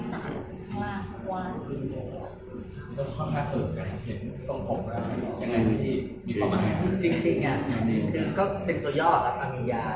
แล้วก็พี่เติลก็ลงไปว่ายที่สามทางล่างทั้งวัน